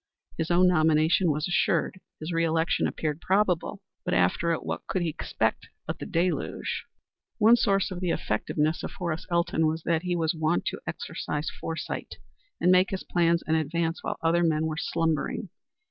His own nomination was assured; his re election appeared probable. But after it what could he expect but the deluge? One source of the effectiveness of Horace Elton was that he was wont to exercise foresight, and make his plans in advance while other men were slumbering.